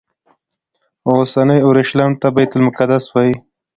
اوسني اورشلیم ته بیت المقدس وایي.